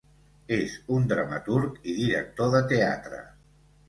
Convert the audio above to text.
És un dramaturg i director de teatre.